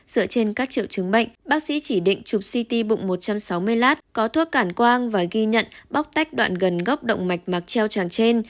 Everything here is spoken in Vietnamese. dựa trên các triệu chứng bệnh bác sĩ chỉ định chụp ct bụng một trăm sáu mươi lát có thuốc cản quang và ghi nhận bóc tách đoạn gần gốc động mạch mặc treo chàng trên